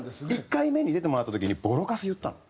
１回目に出てもらった時にボロカス言ったの。